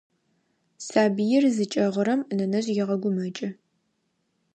Сабыир зыкӏэгъырэм нэнэжъ егъэгумэкӏы.